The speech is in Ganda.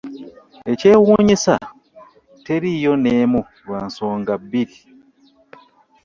Ekyewuunyisa teriiyo n’emu, lwa nsonga bbiri.